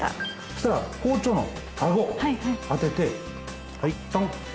そしたら包丁のアゴ当ててはいトン。